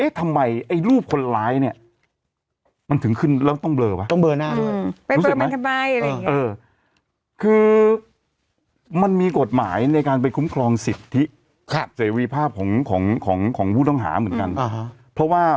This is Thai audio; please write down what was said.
เอ๊ะทำไมไอรูปคนร้ายเนี้ยมันถึงขึ้นแล้วต้องเบลอป่ะต้องเบลอหน้า